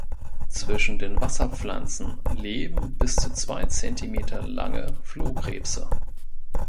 Zwischen den Wasserpflanzen leben bis zu zwei Zentimeter lange Flohkrebse.